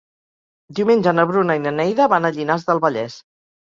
Diumenge na Bruna i na Neida van a Llinars del Vallès.